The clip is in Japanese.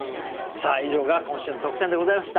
さあ以上が今週の特選でございました。